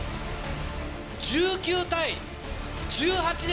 １９対１８で。